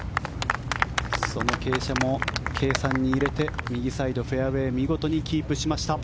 その傾斜も計算に入れて右サイド、フェアウェー見事にキープしました。